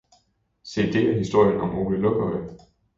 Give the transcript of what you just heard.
Se, det er historien om Ole Lukøje!